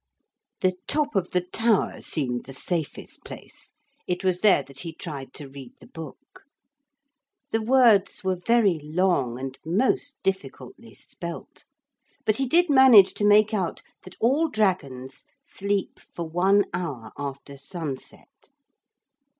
The top of the tower seemed the safest place. It was there that he tried to read the book. The words were very long and most difficultly spelt. But he did manage to make out that all dragons sleep for one hour after sunset.